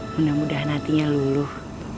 mudah mudahan hatinya luluh